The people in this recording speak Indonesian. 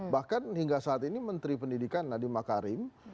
bahkan hingga saat ini menteri pendidikan nadiem makarim